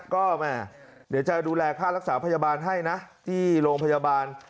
ก็แม่เดี๋ยวจะดูแลค่ารักษาพยาบาลให้นะที่โรงพยาบาล